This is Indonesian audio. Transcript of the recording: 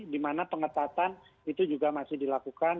di mana pengetatan itu juga masih dilakukan